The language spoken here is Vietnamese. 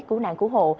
cứu nạn cứu hộ